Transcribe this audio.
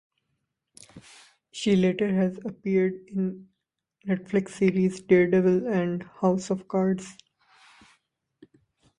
She later has appeared in Netflix series "Daredevil" and "House of Cards".